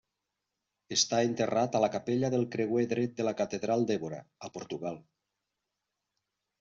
Està enterrat a la capella del creuer dret de la catedral d'Évora, a Portugal.